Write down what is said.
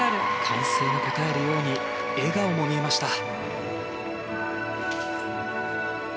歓声に応えるように笑顔も見えました。